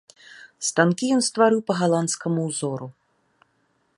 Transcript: Станкі ён стварыў па галандскаму ўзору.